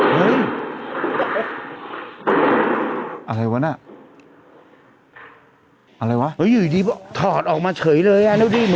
เห้ยอะไรวะน่ะอะไรวะเอ้ยอยู่ดีต่อถอดออกมาเฉยเลยอ่ะ